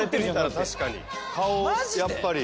顔やっぱり。